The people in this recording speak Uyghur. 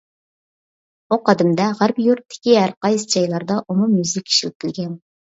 ئۇ قەدىمدە غەربىي يۇرتتىكى ھەر قايسى جايلاردا ئومۇميۈزلۈك ئىشلىتىلگەن.